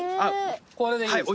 これでいいですか？